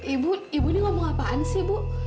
ibu ibu ini ngomong apaan sih bu